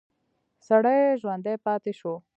سړی ژوندی پاتې شو.